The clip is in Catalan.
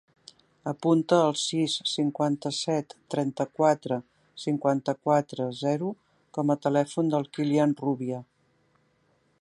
Apunta el sis, cinquanta-set, trenta-quatre, cinquanta-quatre, zero com a telèfon del Kilian Rubia.